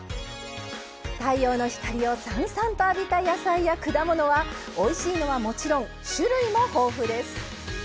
太陽の光をさんさんと浴びた野菜や果物はおいしいのはもちろん種類も豊富です。